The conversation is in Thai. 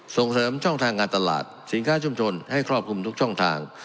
ส่งเสริมช่องทางการตลาดสินค้าชุมชนให้ครอบคลุมทุกช่องทาง